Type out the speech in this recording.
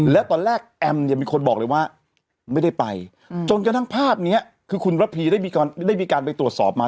แล้วตอนแรกแอมเนี่ยมีคนบอกเลยว่าไม่ได้ไปจนกระทั่งภาพนี้คือคุณระพีได้มีการไปตรวจสอบมา